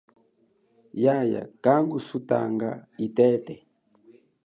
Yaya kangu sutata itete.